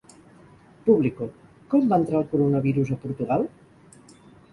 Público: Com va entrar el coronavirus a Portugal?